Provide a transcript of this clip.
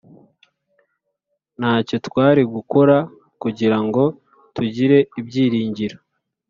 nta cyo twari gukora kugira ngo tugire ibyiringiro